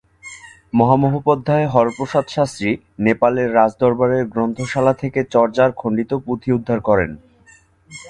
মহামহোপাধ্যায় হরপ্রসাদ শাস্ত্রী নেপালের রাজদরবারের গ্রন্থশালাথেকে চর্যার খণ্ডিত পুঁথি উদ্ধার করেন।